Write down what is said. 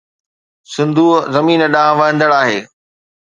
سنڌوءَ زمين ڏانهن وهندڙ آهي